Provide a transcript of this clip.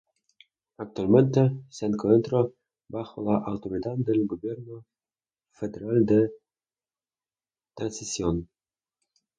Actualmente se encuentra bajo la autoridad del Gobierno Federal de Transición.